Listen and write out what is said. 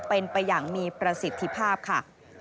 เป็นไปอย่างมีประสิทธิภาพค่ะ